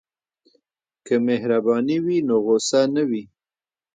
که مهرباني وي نو غوسه نه وي.